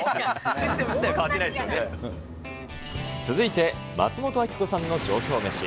システム自体変わってないで続いて、松本明子さんの上京メシ。